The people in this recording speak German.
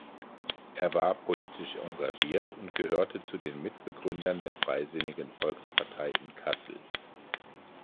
Er war politisch engagiert und gehörte zu den Mitbegründern der Freisinnigen Volkspartei in Kassel.